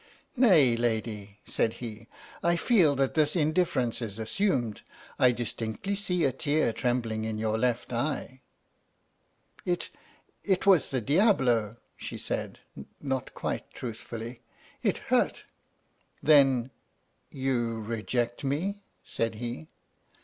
" Nay, lady," said he, " I feel that this indiffer ence is assumed. I distinctly see a tear trembling in your left eye." " It — it was the Diabolo," she said (not quite truthfully), " it hurt." 62 \ H.M.S. "PINAFORE" "Then — you reject me?" said he.